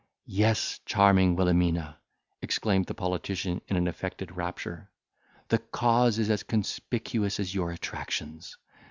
"Yes, charming Wilhelmina!" exclaimed the politician in an affected rapture, "the cause is as conspicuous as your attractions.